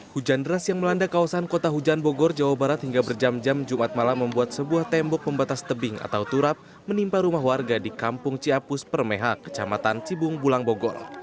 hujan deras yang melanda kawasan kota hujan bogor jawa barat hingga berjam jam jumat malam membuat sebuah tembok pembatas tebing atau turap menimpa rumah warga di kampung ciapus permeha kecamatan cibung bulang bogor